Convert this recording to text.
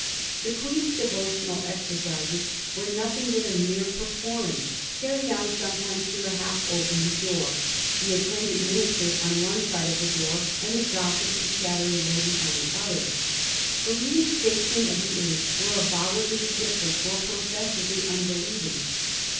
The Queen's devotional exercises were nothing but a mere per formance carried on sometimes through a half opened door, the attendant minister on one side of the door and the gossiping, chattering ladies on the other. The lead ing statesmen of the age were avowedly indifferent or professedly unbelieving.